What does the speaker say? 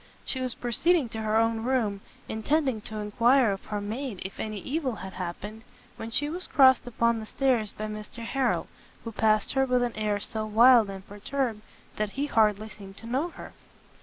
She was proceeding to her own room, intending to enquire of her maid if any evil had happened, when she was crossed upon the stairs by Mr Harrel, who passed her with an air so wild and perturbed, that he hardly seemed to know her.